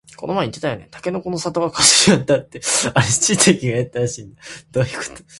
この前言ってたよね、たけのこの里が火事にあったってあれしいたけがやったらしいんだ